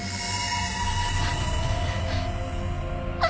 あっ。